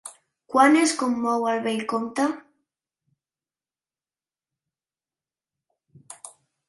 Quan es commou el vell comte?